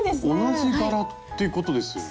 同じ柄っていうことですよね？